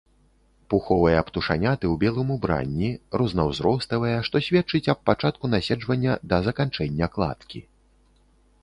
Пуховыя птушаняты ў белым убранні, рознаўзроставыя, што сведчыць аб пачатку наседжвання да заканчэння кладкі.